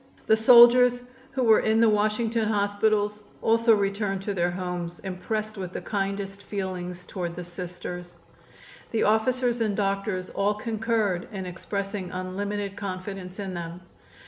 The soldiers who were in the Washington hospitals also returned to their homes impressed with the kindest feelings toward the Sisters. The officers and doctors all concurred in expressing unlimited confidence in them.